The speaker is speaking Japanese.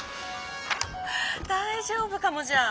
大丈夫かもじゃあ！